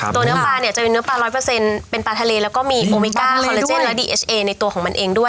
เนื้อปลาเนี่ยจะเป็นเนื้อปลาร้อยเปอร์เซ็นต์เป็นปลาทะเลแล้วก็มีโอเมก้าคอลลาเจนและดีเอสเอในตัวของมันเองด้วย